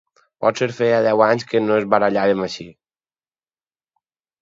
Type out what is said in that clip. Potser feia deu anys que no ens barallàvem així.